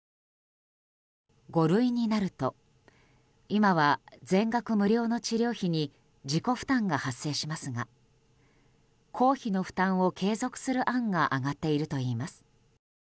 五類になると今は全額無料の治療費に自己負担が発生しますが公費の負担を継続する案が挙がっているといいます。